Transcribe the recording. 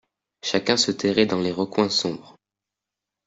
Chacun se terrait dans les recoins sombres.